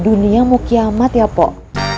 dunia mau kiamat ya pok